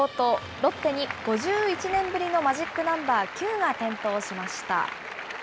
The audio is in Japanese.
ロッテに５１年ぶりのマジックナンバー９が点灯しました。